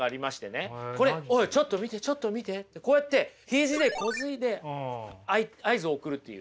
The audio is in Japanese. これ「おいちょっと見てちょっと見て」ってこうやってヒジでこづいて合図を送るっていう。